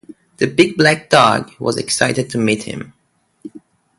The big black dog was excited to meet him.